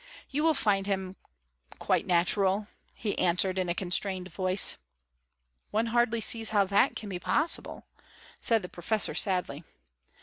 "You will find him quite natural," he answered, in a constrained voice. "One hardly sees how that can be possible," said the professor sadly.